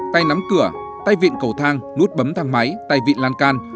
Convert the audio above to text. tay nắm cửa tay vịn cầu thang nút bấm thang máy tay vịn lan can